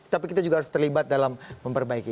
tapi kita juga harus terlibat dalam memperbaiki